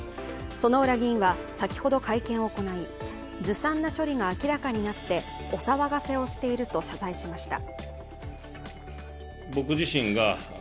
薗浦議員は先ほど会見を行いずさんな処理が明らかになってお騒がせをしていると謝罪しました。